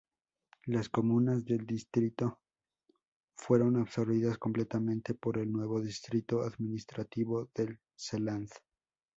Las comunas del distrito fueron absorbidas completamente por el nuevo distrito administrativo del Seeland.